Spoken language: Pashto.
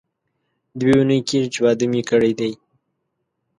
دوې اونۍ کېږي چې واده مې کړی دی.